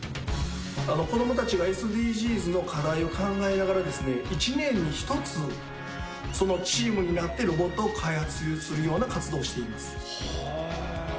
子どもたちがＳＤＧｓの課題を考えながら、１年に１つ、そのチームになってロボットを開発するような活動をしています。